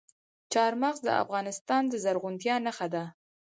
چار مغز د افغانستان د زرغونتیا نښه ده.